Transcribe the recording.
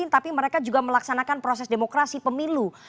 tapi mereka juga melaksanakan proses demokrasi pemilu